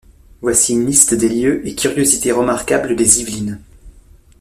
Voici une liste des lieux et curiosités remarquables des Yvelines.